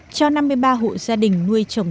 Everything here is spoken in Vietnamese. cho năm mươi ba hộ gia đình nuôi trồng